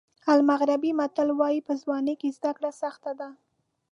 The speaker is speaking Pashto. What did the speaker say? المغربي متل وایي په ځوانۍ کې زده کړه سخته ده.